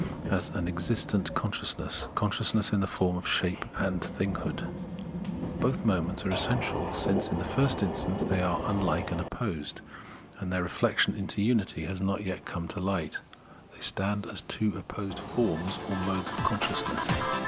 as an existent consciousness, con sciousness in the form and shape of thinghood. Both moments are essential, since, in the first instance, they are unlike and opposed, and their reflexion into 182 Phenomenology of Mind unity has not yet come to light, they stand as two opposed forms or modes of consciousness.